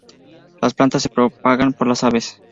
Las plantas se propagan por las aves.